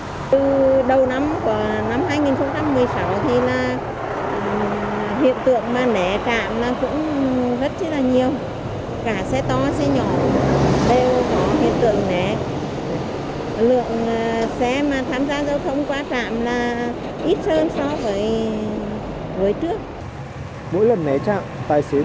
từ đầu năm của năm hai nghìn một mươi sáu thì là hiện tượng mà né trạng là cũng rất là nhiều